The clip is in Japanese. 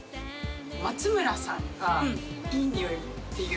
松村さんがいい匂いっていうのを。